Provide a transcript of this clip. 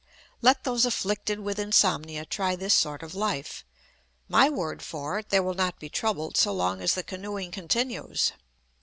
Let those afflicted with insomnia try this sort of life. My word for it, they will not be troubled so long as the canoeing continues.